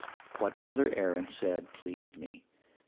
"What Brother Aaron said pleased me.